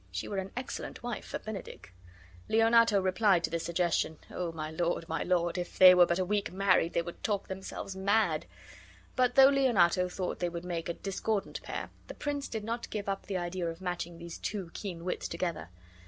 She were an excellent wife for Benedick." Leonato replied to this suggestion, "O my lord, my lord, if they were but a week married, they would talk themselves mad!" But though Leonato thought they would make a discordant pair, the prince did not give up the idea of matching these two keen wits together.